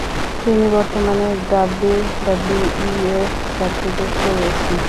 তিনি বর্তমানে ডাব্লিউডাব্লিউই এর সাথে যুক্ত রয়েছেন।